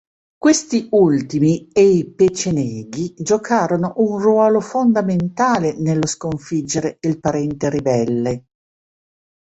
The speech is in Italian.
Questi ultimi e i Peceneghi giocarono un ruolo fondamentale nello sconfiggere il parente ribelle.